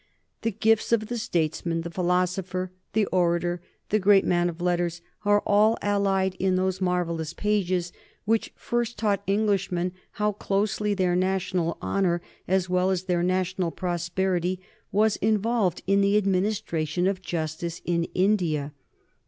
The gifts of the statesman, the philosopher, the orator, the great man of letters, are all allied in those marvellous pages which first taught Englishmen how closely their national honor as well as their national prosperity was involved in the administration of justice in India.